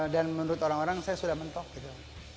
dan menurut orang orang saya sudah mentok gitu